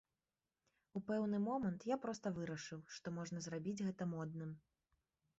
У пэўны момант я проста вырашыў, што можна зрабіць гэта модным.